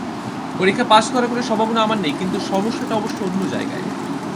পরীক্ষা পাস করার কোনো সম্ভাবনা আমার নেই, কিন্তু সমস্যাটা অবশ্য অন্য জায়গায়।